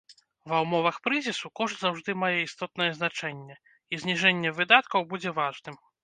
Ва ўмовах крызісу кошт заўжды мае істотнае значэнне, і зніжэнне выдаткаў будзе важным.